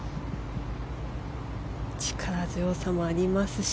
力強さもありますし。